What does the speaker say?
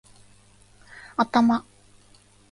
頭